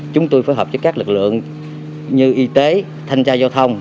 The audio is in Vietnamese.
chúng tôi phối hợp với các lực lượng như y tế thanh tra giao thông